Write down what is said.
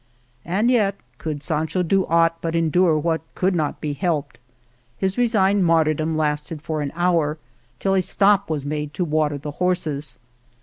And yet could Sancho do aught but endure what could not be helped ? His resigned martyrdom lasted for an hour, till a stop was made to water the horses.